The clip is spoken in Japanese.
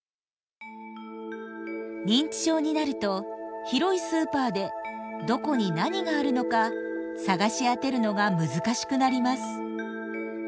認知症になると広いスーパーでどこに何があるのか探し当てるのが難しくなります。